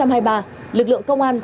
năm hai nghìn hai mươi ba lực lượng công an